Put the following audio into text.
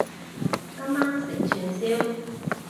今晚食串燒